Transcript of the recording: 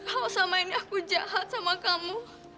kalau selama ini aku jahat sama kamu